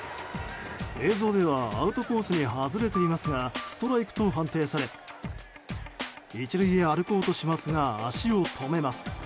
映像ではアウトコースに外れていますがストライクと判定され１塁へ歩こうとしますが足を止めます。